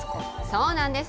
そうなんです。